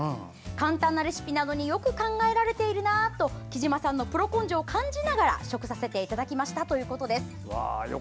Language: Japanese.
簡単なレシピなのによく考えられてるなあときじまさんのプロ根性を感じながら食させていただきました」ということです。